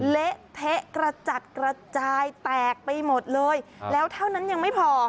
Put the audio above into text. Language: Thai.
เละเทะกระจัดกระจายแตกไปหมดเลยแล้วเท่านั้นยังไม่พอ